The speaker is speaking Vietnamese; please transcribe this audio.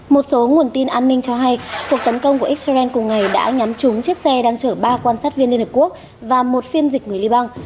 một số nguồn tin an ninh cho hay cuộc tấn công của israel cùng ngày đã nhắm trúng chiếc xe đang chở ba quan sát viên liên hợp quốc và một phiên dịch người liban